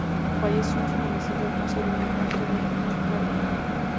Falleció en su domicilio a causa de un infarto de miocardio.